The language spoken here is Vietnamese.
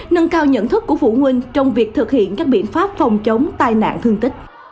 nâng cao nhận thức của phụ huynh trong việc thực hiện các biện pháp phòng chống tai nạn thương tích